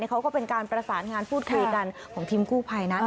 เขาก็เป็นการประสานงานพูดคุยกันของทีมกู้ภัยนะ